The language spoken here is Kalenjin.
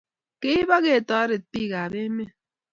keip aiketaret pik ap emet